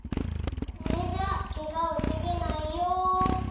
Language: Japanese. これじゃケガをふせげないよ。